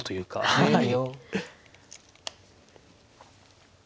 はい。